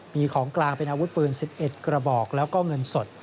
มีของกลางเป็นอาวุธปืน๑๑กระบอกแล้วก็เงินสด